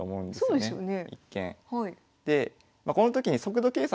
そうですね。